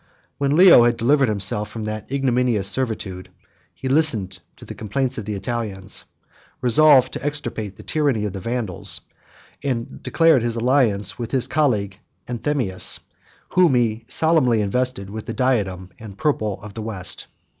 When Leo had delivered himself from that ignominious servitude, he listened to the complaints of the Italians; resolved to extirpate the tyranny of the Vandals; and declared his alliance with his colleague, Anthemius, whom he solemnly invested with the diadem and purple of the West.